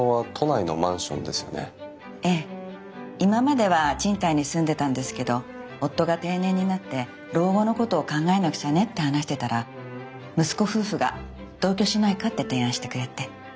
今までは賃貸に住んでたんですけど夫が定年になって「老後のことを考えなくちゃね」って話してたら息子夫婦が「同居しないか」って提案してくれて。